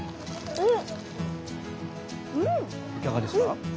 うん！